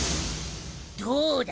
どうだ？